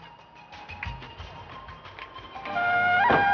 mau peteknya bang